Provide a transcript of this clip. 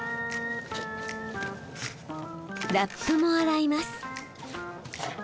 ラップも洗います。